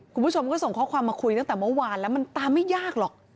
คุณผู้ชมก็ส่งข้อความมาคุยตั้งแต่เมื่อวานแล้วมันตามไม่ยากหรอก